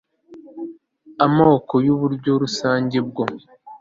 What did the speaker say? amoko y uburyo rusange bwo